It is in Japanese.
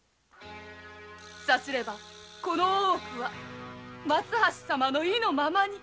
さすればこの大奥は松橋様の意のままに。